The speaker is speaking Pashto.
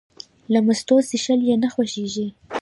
له مستو څښل یې نه خوښېږي.